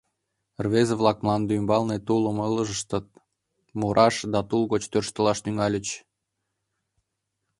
Рвезе-влак мланде ӱмбалне тулым ылыжтышт, мураш да тул гоч тӧрштылаш тӱҥальыч.